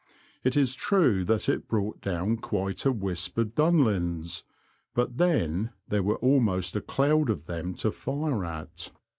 It is true that it brought down quite a wisp of dunlins, but then there was almost a cloud of them to fire at.